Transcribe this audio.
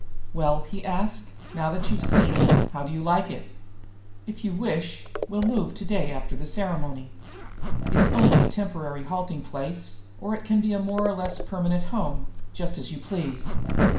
"Well," he asked, "now that you've seen, how do you like it? If you wish, we'll move today after the ceremony. It's only a temporary halting place, or it can be a more or less permanent home, just as you please."